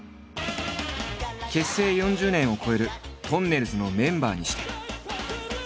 結成４０年を超えるとんねるずのメンバーにして。